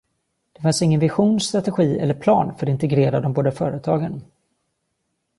Det fanns ingen vision, strategi eller plan för att integrera de båda företagen.